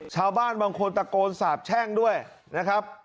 ชาวบ้านบางคนตะโกนสาบแช่งด้วยนะครับ